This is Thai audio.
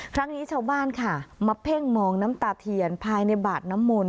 ครั้งนี้ชาวบ้านค่ะมาเพ่งมองน้ำตาเทียนภายในบาดน้ำมนต